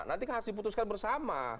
nanti harus diputuskan bersama